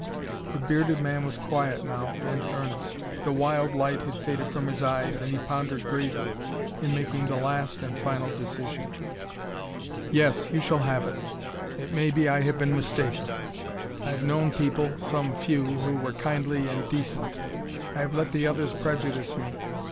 The bearded man was quiet now and earnest. The wild light had faded from his eyes, and he pondered gravely in making the last and final decision. "Yes, you shall have it. It may be I have been mistaken. I have known people some few who were kindly and decent; I have let the others prejudice me.